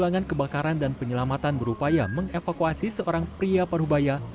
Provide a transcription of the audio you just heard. pergulangan kebakaran dan penyelamatan berupaya mengevakuasi seorang pria paruhbaya